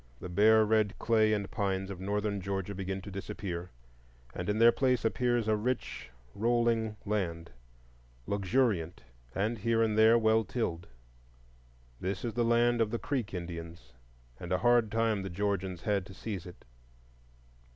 The bare red clay and pines of Northern Georgia begin to disappear, and in their place appears a rich rolling land, luxuriant, and here and there well tilled. This is the land of the Creek Indians; and a hard time the Georgians had to seize it.